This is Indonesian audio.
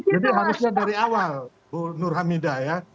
jadi harusnya dari awal bu nur hamidah ya